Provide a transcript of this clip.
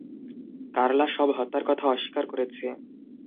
কার্লা সব হত্যার কথা অস্বীকার করেছে।